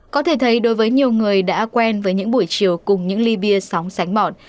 có thể thấy đối với nhiều người đã quen với những buổi chiều cùng những ly bia sóng sánh bọn